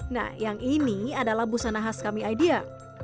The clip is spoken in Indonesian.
nah yang ini adalah busana khas kami idea